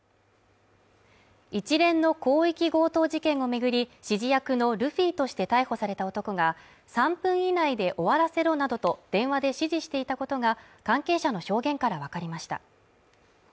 一連の広域強盗事件を巡り、指示役のルフィとして逮捕された男が３分以内で終わらせろなどと電話で指示していたことが関係者の証言からわかりました。